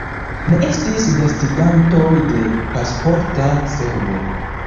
Ne estis gastigantoj de Pasporta Servo.